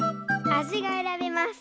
あじがえらべます。